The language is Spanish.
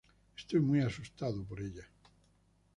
Estoy muy asustado de ella.